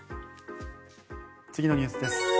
次のニュースです。